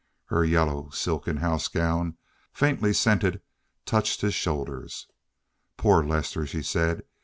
Her yellow, silken house gown, faintly scented, touched his shoulders. "Poor Lester," she said.